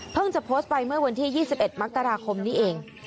จะโพสต์ไปเมื่อวันที่๒๑มกราคมนี้เอง